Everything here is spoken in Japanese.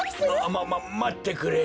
まままってくれ！